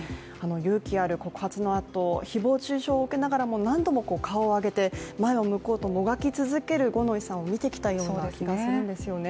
勇気ある告発のあと、誹謗中傷を受けながらも何度も顔を上げて前を向こうともがき続ける五ノ井さんを見てきたような気がするんですよね。